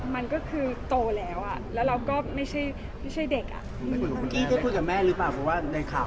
มันก็คือโตแล้วอ่ะแล้วเราก็ไม่ใช่เด็กอ่ะ